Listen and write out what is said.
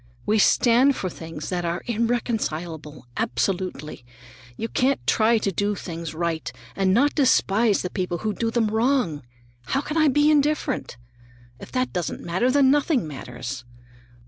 We stand for things that are irreconcilable, absolutely. You can't try to do things right and not despise the people who do them wrong. How can I be indifferent? If that doesn't matter, then nothing matters.